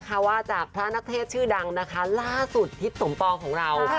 เพราะว่าจากพระนักเทศชื่อดังนะคะล่าสุดทิศสมปองของเรา